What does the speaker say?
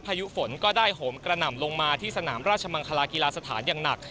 ยุฝนก็ได้โหมกระหน่ำลงมาที่สนามราชมังคลากีฬาสถานอย่างหนัก